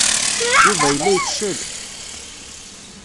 Yuba yella ifeccel.